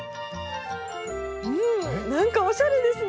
うんなんかおしゃれですね！